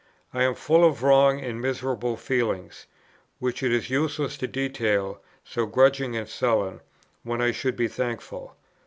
I am full of wrong and miserable feelings, which it is useless to detail, so grudging and sullen, when I should be thankful.